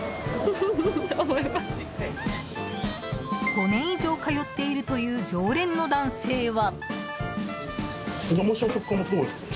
５年以上通っているという常連の男性は。